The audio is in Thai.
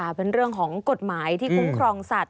เป็นเรื่องของกฎหมายที่คุ้มครองสัตว